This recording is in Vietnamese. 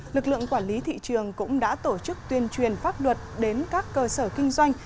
lực lượng quản lý thị trường cũng đã tổ chức tuyên truyền pháp luật đến các cơ sở kinh doanh